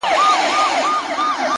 زه له غمه سينه چاک درته ولاړ يم _